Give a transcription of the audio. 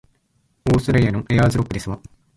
オーストラリアのエアーズロックですわ